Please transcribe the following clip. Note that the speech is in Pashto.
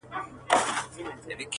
د وجود دا نيمايې برخه چي ستا ده,